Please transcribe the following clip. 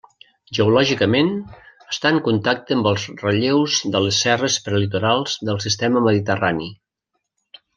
Geològicament està en contacte amb els relleus de les serres prelitorals del sistema mediterrani.